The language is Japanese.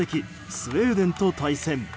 スウェーデンと対戦。